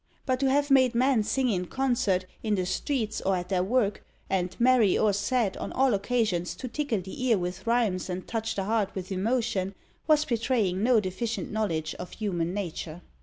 But to have made men sing in concert, in the streets, or at their work, and, merry or sad, on all occasions to tickle the ear with rhymes and touch the heart with emotion, was betraying no deficient knowledge of human nature.